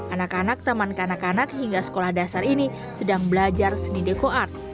anak anak taman kanak kanak hingga sekolah dasar ini sedang belajar seni deko art